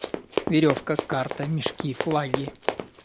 Веревка, карта, мешки, флаги.